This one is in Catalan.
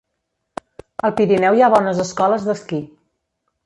Al Pirineu hi ha bones escoles d'esquí.